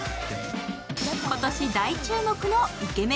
今年大注目のイケメン